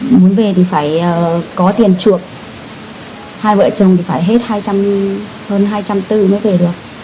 muốn về thì phải có tiền chuộc hai vợ chồng thì phải hết hơn hai trăm bốn mươi mới về được